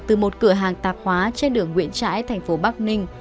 từ một cửa hàng tạp hóa trên đường nguyễn trãi thành phố bắc ninh